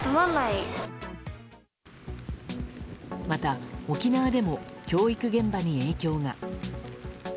また、沖縄でも教育現場に影響が。